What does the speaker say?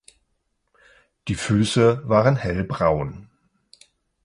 Die Füße waren hellbraun.